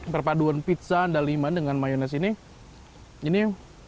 perpaduan pizza anda liman dengan mayonaise ini